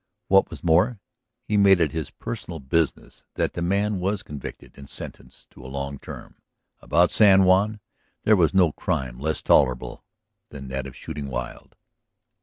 What was more, he made it his personal business that the man was convicted and sentenced to a long term; about San Juan there was no crime less tolerable than that of "shooting wild."